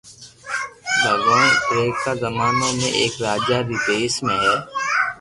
ڀگوان پيرڪا زمانو ۾ ايڪ راجا ري ڀيس ۾